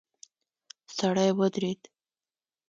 سړی ودرید.